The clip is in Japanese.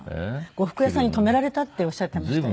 呉服屋さんに止められたっておっしゃっていましたよ。